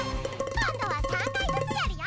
こんどは３かいずつやるよ！